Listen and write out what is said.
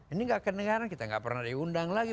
ini gak ke negara kita gak pernah diundang lagi